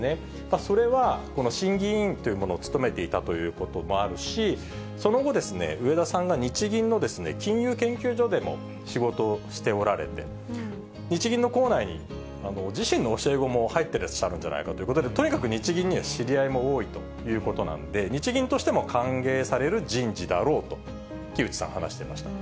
それは、この審議委員というものを務めていたということもあるし、その後、植田さんが日銀の金融研究所でも仕事をしておられて、日銀の行内に自身の教え子も入ってらっしゃるんじゃないかということで、とにかく日銀に知り合いも多いということなんで、日銀としても歓迎される人事だろうと、木内さん、話してました。